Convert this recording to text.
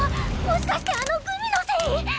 もしかしてあのグミのせい！？